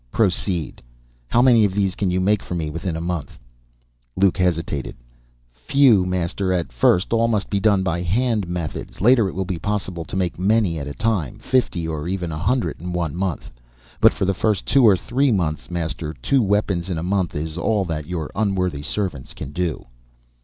Proceed. How many of these can you make for Me within a month?" Luke hesitated. "Few, Master. At first all must be done by hand methods. Later it will be possible to make many at a time fifty, or even a hundred in one month but for the first two or three months, Master, two weapons in a month is all that Your unworthy servants can do."